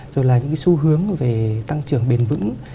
rồi là những cái xu hướng về tăng trưởng bền vững